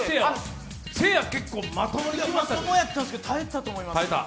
まともやったんですけど、耐えたと思います。